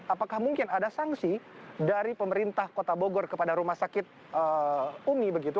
apakah mungkin ada sanksi dari pemerintah kota bogor kepada rumah sakit umi begitu